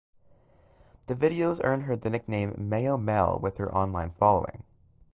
The videos earned her the nickname "Mayo Mel" with her online following.